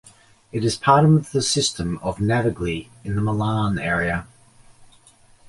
It is part of the system of navigli of the Milan area.